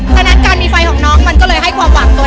ฉะนั้นการมีไฟของน้องมันก็เลยให้ความหวังเกิน